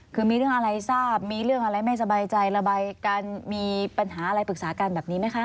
คือมีเรื่องอะไรทราบมีเรื่องอะไรไม่สบายใจระบายกันมีปัญหาอะไรปรึกษากันแบบนี้ไหมคะ